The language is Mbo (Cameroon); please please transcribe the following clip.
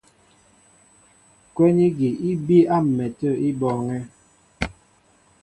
Kwɛ́n igi í bííy á m̀mɛtə̂ í bɔɔŋɛ́.